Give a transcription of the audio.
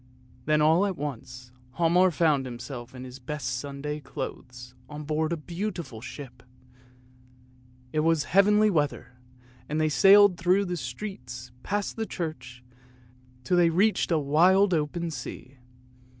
" Then all at once Hialmar found himself in his best Sunday clothes on board the beautiful ship; it was heavenly weather, and they sailed through the streets, past the church, till they reached a wild open sea.